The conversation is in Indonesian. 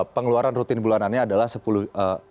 pengeluaran rutin bulanan ini harus dua belas kali